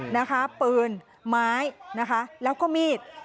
นะคะปืนไม้แล้วก็มีด